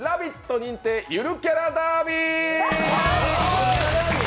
認定ゆるキャラダービー。